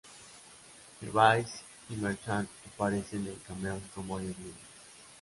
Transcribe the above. Gervais y Merchant aparecen en cameos como ellos mismos.